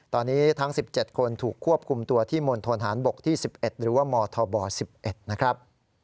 ตอนนี้ทั้ง๑๗คนถูกควบคุมตัวที่มณฑนฐานบกที่๑๑หรือว่ามธบ๑๑นะครับ